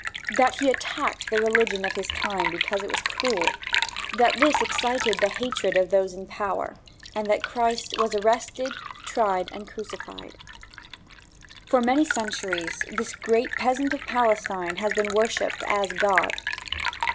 That he attacked the religion of his time because it was cruel. That this excited the hatred of those in power, and that Christ was arrested, tried and crucified. For many centuries this great Peasant of Palestine has been worshiped as God.